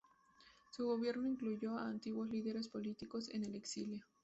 Su gobierno incluyó a antiguos líderes políticos en el exilio.